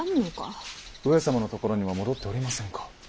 上様のところにも戻っておりませんか？